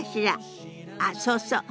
あっそうそう。